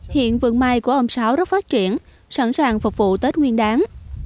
hiện vườn mai của ông sáu rất phát triển sẵn sàng phục vụ tết nguyên đáng